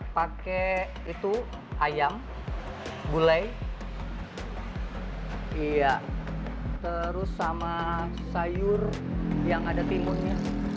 pakai itu ayam gulai terus sama sayur yang ada timunnya